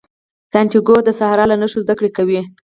سانتیاګو د صحرا له نښو زده کړه کوي.